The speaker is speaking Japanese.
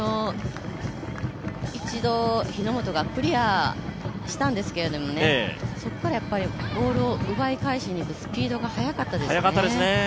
一度、日ノ本がクリアしたんですけども、そこからボールを奪い返しにいくスピードが速かったですね。